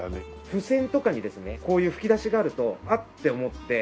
ふせんとかにですねこういう吹き出しがあると「あ！」って思って。